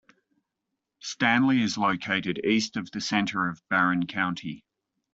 Stanley is located east of the center of Barron County.